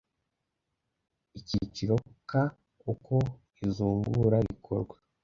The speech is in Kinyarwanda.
Icyiciro ka Uko izungura rikorwa